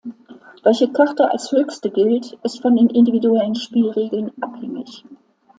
Welche Karte als "höchste" gilt, ist von den individuellen Spielregeln abhängig.